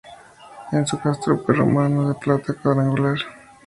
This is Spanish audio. Es un castro prerromano de planta cuadrangular.